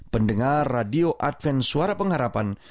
pendengar radio adven suara pengharapan